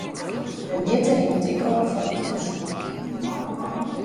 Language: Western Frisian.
De mjitte hinget ek ôf fan it type skoech.